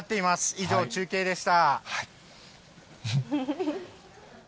以上、中継でした。